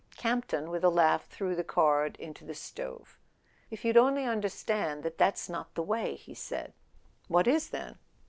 Campton, with a laugh, threw the card into the stove. "If you'd only understand that that's not the way," he said. "What is, then?"